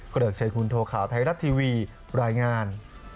เกริกชัยคุณโทข่าวไทยรัฐทีวีรายงาน